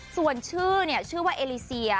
ส่วนชื่อชื่อว่าเอเลเซีย